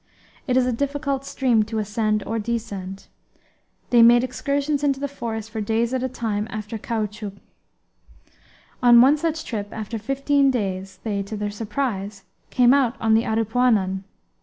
It is a difficult stream to ascend or descend. They made excursions into the forest for days at a time after caoutchouc. On one such trip, after fifteen days they, to their surprise, came out on the Aripuanan.